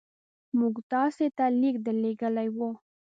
موږ تاسي ته لیک درلېږلی وو.